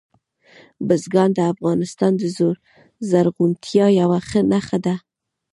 بزګان د افغانستان د زرغونتیا یوه نښه ده.